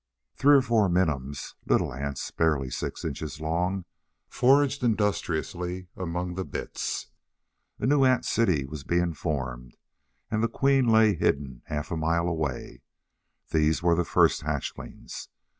Three or four minims, little ants barely six inches long, foraged industriously among the bits. A new ant city was to be formed and the queen lay hidden half a mile away. These were the first hatchlings.